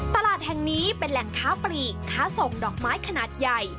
ตลาดแห่งนี้เป็นแหล่งค้าปลีกค้าส่งดอกไม้ขนาดใหญ่